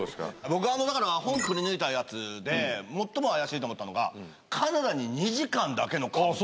僕は、本をくりぬいたやつで、最も怪しいと思ったのが、カナダに２時間だけの観光。